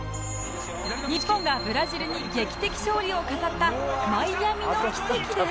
日本がブラジルに劇的勝利を飾った「マイアミの奇跡」で